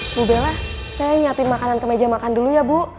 alhamdulillah saya nyiapin makanan ke meja makan dulu ya bu